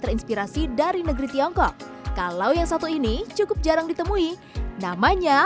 terinspirasi dari negeri tiongkok kalau yang satu ini cukup jarang ditemui namanya